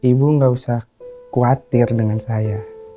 ibu nggak usah khawatir dengan saya